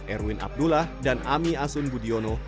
erwin abdullah dan ami asun budiono